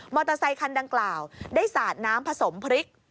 อเตอร์ไซคันดังกล่าวได้สาดน้ำผสมพริก